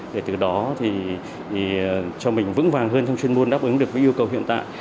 để từ đó cho mình vững vàng hơn trong chuyên môn đáp ứng được với yêu cầu hiện tại